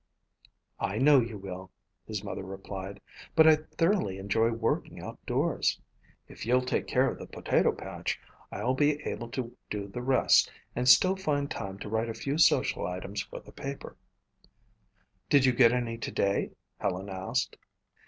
"I know you will," his mother replied, "but I thoroughly enjoy working outdoors. If you'll take care of the potato patch, I'll be able to do the rest and still find time to write a few social items for the paper." "Did you get any today?" Helen asked.